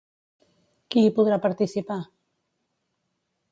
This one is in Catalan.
Qui hi podrà participar?